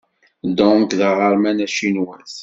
Dong d aɣerman acinwat.